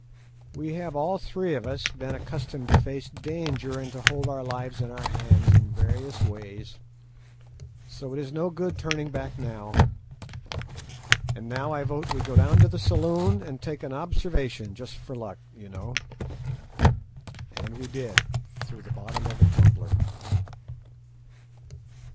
"We have all three of us been accustomed to face danger, and to hold our lives in our hands in various ways, so it is no good turning back now. And now I vote we go down to the saloon and take an observation just for luck, you know." And we did—through the bottom of a tumbler.